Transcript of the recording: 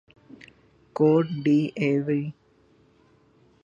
quote D Ivory